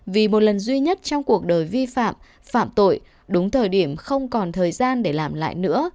vì một lần duy nhất trong cuộc đời vi phạm phạm tội đúng thời điểm không còn thời gian để làm lại nữa